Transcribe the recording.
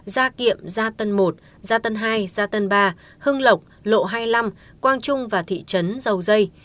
gia kiệm gia tân một gia tân hai gia tân ba hưng lộc lộ hai mươi năm quang trung và thị trấn dầu dây